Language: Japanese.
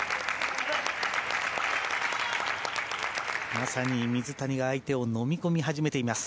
まさに水谷が相手をのみ込み始めています。